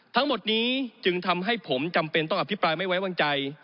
ทั้งหมดนี้จึงทำให้ผมจำเป็นต้องอภิปรายไม่ไว้วางใจ